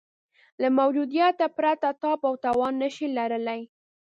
له موجودیته پرته تاب او توان نه شي لرلای.